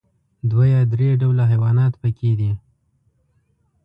دوه یا درې ډوله حيوانات پکې دي.